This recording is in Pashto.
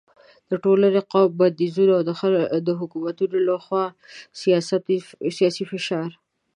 د ټولنې، قوم بندیزونه او د حکومتونو له خوا سیاسي فشار